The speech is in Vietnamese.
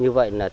như vậy là tầm